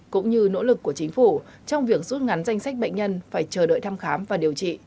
cũng như nỗ lực của chính phủ trong việc rút ngắn danh sách bệnh nhân phải chờ đợi thăm khám và điều trị